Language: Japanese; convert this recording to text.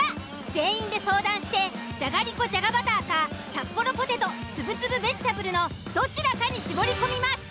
全員で相談してじゃがりこじゃがバターかサッポロポテトつぶつぶベジタブルのどちらかに絞り込みます。